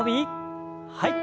はい。